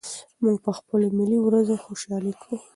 موږ په خپلو ملي ورځو خوشالي کوو.